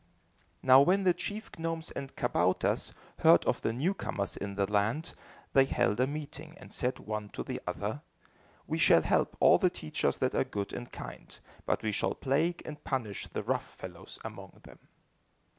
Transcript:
Now when the chief gnomes and kabouters heard of the newcomers in the land, they held a meeting and said one to the other: "We shall help all the teachers that are good and kind, but we shall plague and punish the rough fellows among them."